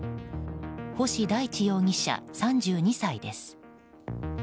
星大地容疑者、３２歳です。